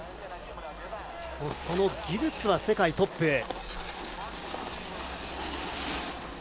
その技術は世界トップ。